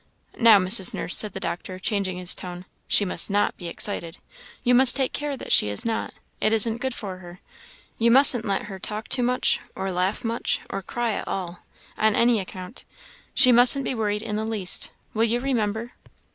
Now mind, Mrs. Nurse," said the doctor, changing his tone "she must not be excited you must take care that she is not it isn't good for her. You mustn't let her talk too much, or laugh much, or cry at all, on any account; she mustn't be worried in the least will you remember?